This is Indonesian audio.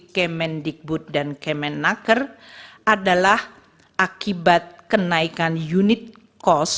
kemen dikbud dan kemen naker adalah akibat kenaikan unit kos